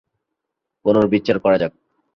পুনর্বিচার করা যাক।